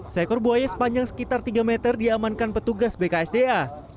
seekor buaya sepanjang sekitar tiga meter diamankan petugas bksda